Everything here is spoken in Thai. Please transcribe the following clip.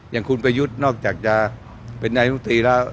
อย่างคุณประยุทธ์นอกจากจะเป็นนายมตรีแล้ว